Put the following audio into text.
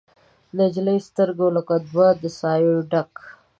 د نجلۍ سترګې لکه دوه د سايو ډک